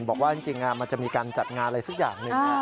บอกว่าจริงมันจะมีการจัดงานอะไรสักอย่างหนึ่ง